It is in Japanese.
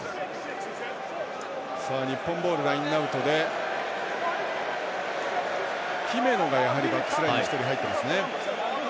日本ボールラインアウトで姫野がバックスラインに１人、入っていますね。